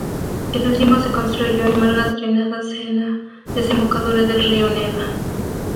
El último se construyó en margas drenadas en la desembocadura del río Neva.